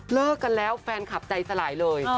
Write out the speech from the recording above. เลิกกันแล้วแฟนคลับใจสลายเลย